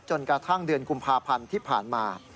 จนกระทั่งเดือนกุมภาพันธ์ที่ผ่านมา